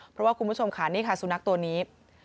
เพราะว่าคุณผู้ชมค่ะนี่ค่ะสุนัขตัวนี้